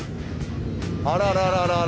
あらららら。